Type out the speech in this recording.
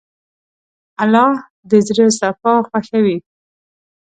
الله د زړه صفا خوښوي.